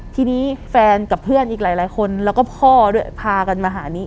ทีนี้แฟนกับเพื่อนอีกหลายคนแล้วก็พ่อด้วยพากันมาหานี้